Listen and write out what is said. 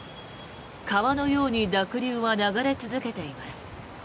川のように濁流は流れ続けています。